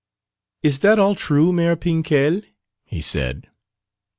"Is that all true, Mère Pinquèle?" he said.